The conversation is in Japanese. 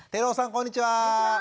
こんにちは！